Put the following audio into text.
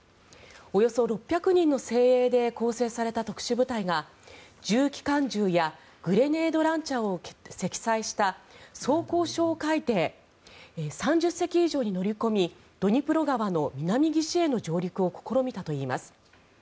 およそ６００人の精鋭で構成された特殊部隊が重機関銃やグレネードランチャーを積載した装甲哨戒艇３０隻以上に乗り込みドニプロ川の南岸への上陸を試みたといいます。